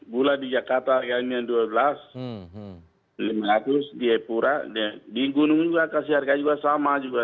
gula di jakarta yang dua belas lima ratus di epura di gunung juga kasih harga juga sama juga